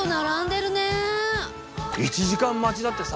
１時間待ちだってさ。